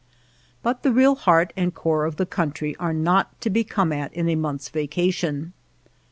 But the real heart and core of the country are not to be come at in a month's vacation.